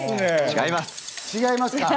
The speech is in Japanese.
違います。